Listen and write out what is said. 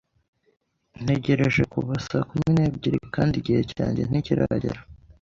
Ntegereje kuva saa kumi n'ebyiri kandi igihe cyanjye ntikiragera.